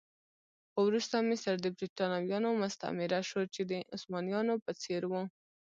خو وروسته مصر د برېټانویانو مستعمره شو چې د عثمانيانو په څېر و.